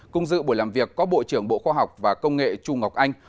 cùng dự buổi làm việc có bộ trưởng bộ khoa học và công nghệ chu ngọc anh